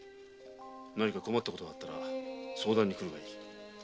何か困ったことがあったら相談に来るがいい。